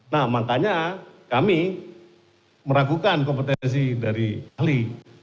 nah makanya kami meragukan kompetensi dari ahli